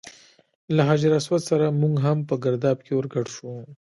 له حجر اسود سره موږ هم په ګرداب کې ور ګډ شو.